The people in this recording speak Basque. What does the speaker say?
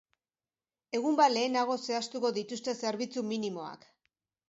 Egun bat lehenago zehaztuko dituzte zerbitzu minimoak.